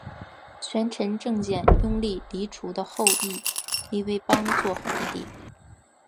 权臣郑检拥立黎除的后裔黎维邦做皇帝。